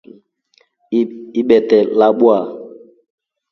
Ibite labwa.